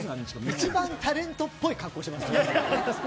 一番タレントっぽい格好している。